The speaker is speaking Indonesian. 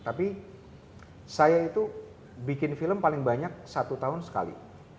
tapi saya itu bikin film paling banyak satu tahun sekali